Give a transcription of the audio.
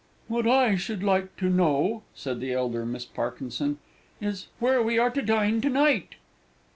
"What I should like to know," said the elder Miss Parkinson, "is, where are we to dine to night?"